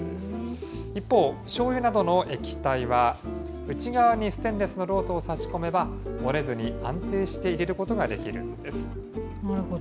一方、しょうゆなどの液体は、内側にステンレスの漏斗を差し込めば、漏れずに安定して入れることができるんです。